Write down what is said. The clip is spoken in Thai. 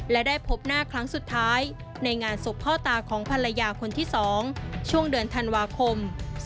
และได้พบหน้าครั้งสุดท้ายในงานศพพ่อตาของภรรยาคนที่๒ช่วงเดือนธันวาคม๒๕๖